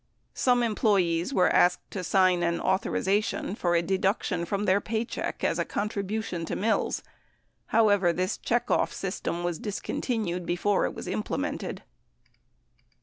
Some employees were asked to sign an author ization for a deduction from their paycheck as a contribution to Mills ; however, this check off system was discontinued before it was implemented.